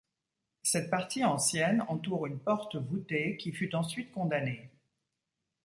Cette partie ancienne entoure une porte voûtée qui fut ensuite condamnée.